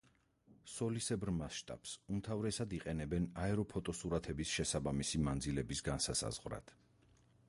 სოლისებრ მასშტაბს უმთავრესად იყენებენ აეროფოტოსურათების შესაბამისი მანძილების განსასაზღვრავად.